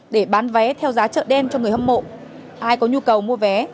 để bán vé theo giá trợ đen cho người hâm mộ ai có nhu cầu mua vé